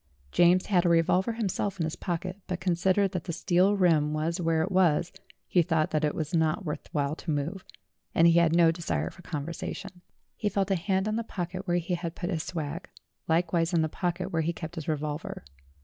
James had a revolver himself in his pocket, but con sidering that that steel rim was where it was, he thought that it was not worth while to move, and he had no desire for conversation. He felt a hand in the pocket where he had put his swag; likewise in the pocket where he kept his revolver.